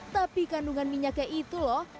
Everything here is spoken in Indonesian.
tapi kandungan minyaknya itu loh